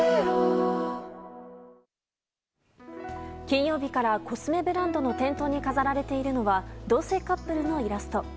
金曜日からコスメブランドの店頭に飾られているのは同性カップルのイラスト。